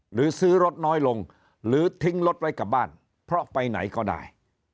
หรือซื้อรถน้อยลงหรือทิ้งรถไว้กลับบ้านเพราะไปไหนก็ได้